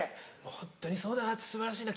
ホントにそうだなって素晴らしいな。